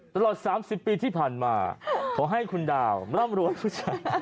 ตลอด๓๐ปีที่ผ่านมาขอให้คุณดาวร่ำรวยผู้ชาย